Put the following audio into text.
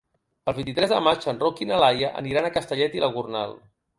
El vint-i-tres de maig en Roc i na Laia aniran a Castellet i la Gornal.